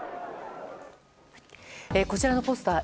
こちらのポスター。